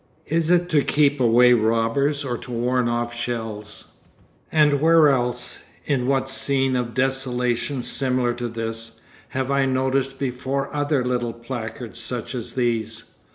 Is it to keep away robbers or to warn off shells? And where else, in what scene of desolation similar to this, have I noticed before other little placards such as these?